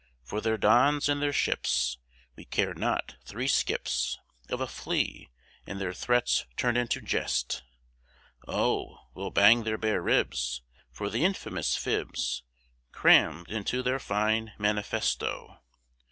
For their Dons and their ships We care not three skips Of a flea and their threats turn into jest, O! We'll bang their bare ribs For the infamous fibs Cramm'd into their fine manifesto.